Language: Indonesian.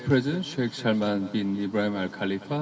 president sheikh shalman bin ibrahim al khalifa